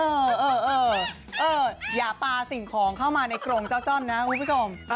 เอออย่าปลาสิ่งของเข้ามาในกรงเจ้าจ้อนนะคุณผู้ชม